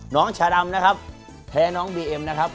น้องชาดำนะครับแพ้น้องบีเอ็มนะครับ